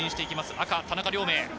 赤・田中亮明。